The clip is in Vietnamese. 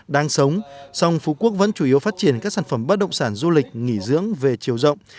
đang sống song phú quốc vẫn chủ yếu phát triển các sản phẩm bất động sản du lịch nghỉ dưỡng về chiều rộng